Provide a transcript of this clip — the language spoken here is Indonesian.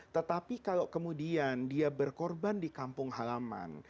tetapi kalau kemudian dia berkorban di kampung halaman